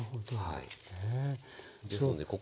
はい。